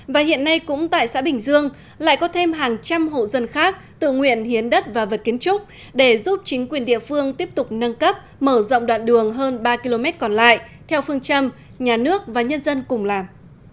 và hiện nay cũng tại xã bình dương lại có thêm hàng trăm hộ dân khác tự nguyện hiến đất và vật kiến trúc để giúp chính quyền địa phương tiếp tục nâng cấp mở rộng đoạn đường hơn ba km còn lại theo phương châm nhà nước và nhân dân cùng làm